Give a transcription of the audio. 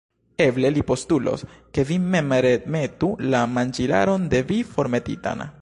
Eble li postulos, ke vi mem remetu la manĝilaron de vi formetitan.